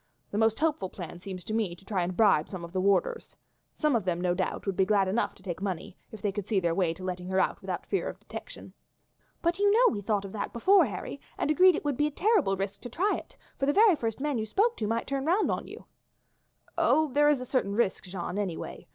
The most hopeful plan seems to me to try and bribe some of the warders. Some of them, no doubt, would be glad enough to take money if they could see their way to letting her out without fear of detection." "But you know we thought of that before, Harry, and agreed it would be a terrible risk to try it, for the very first man you spoke to might turn round on you." "Of course there is a certain risk, Jeanne, anyway.